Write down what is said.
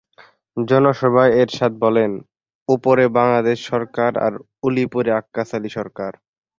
জনসভায় এরশাদ বলেন, ওপরে বাংলাদেশ সরকার আর উলিপুরে আক্কাস আলী সরকার।